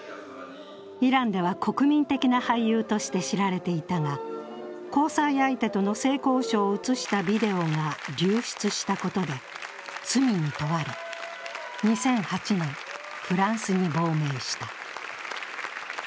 イランでは国民的な俳優として知られていたが交際相手との性交渉を写したビデオが流出したことで罪に問われ、２００８年、フランスに亡命した。